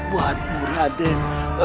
buat bu raden